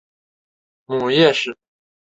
母叶氏。